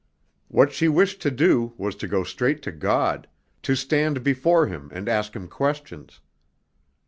What she wished to do was to go straight to God, to stand before Him and ask him questions.